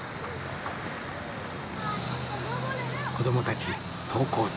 子どもたち登校中。